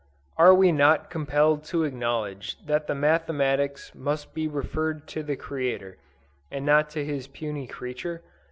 Are we not compelled to acknowledge that the mathematics must be referred to the Creator, and not to His puny creature?